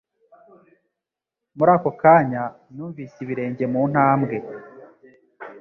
Muri ako kanya numvise ibirenge muntambwe.